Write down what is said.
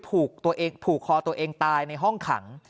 ผูกคอตัวเองตายในห้องขัง